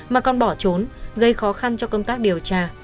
mà còn bỏ trốn gây khó khăn cho công tác điều tra